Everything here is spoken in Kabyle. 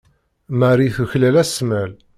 Marie tuklal asmal.